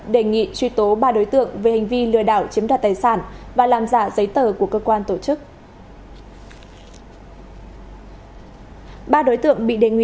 đề nghị truy tố ba đối tượng về hành vi lừa đảo chiếm đoàn